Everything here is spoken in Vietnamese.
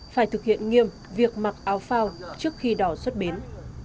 phải thực hiện nghiêm việc mặc áo phao trước khi đỏ xuất bến